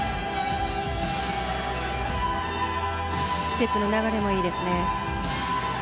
ステップの流れもいいですね